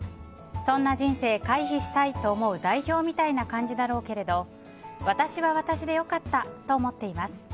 そんな人生回避したいと思う代表みたいな感じだろうけれど私は私で良かったと思っています。